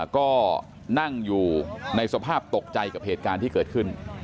ก็นั่งอยู่ในสภาพตกใจกับเหตุการณ์ที่เกิดขึ้น